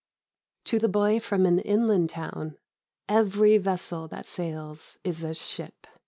To the boy from an inland town every vessel that sails is a ship.